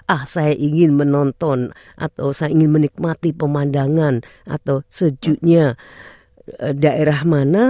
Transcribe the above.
ah saya ingin menonton atau saya ingin menikmati pemandangan atau sejuknya daerah mana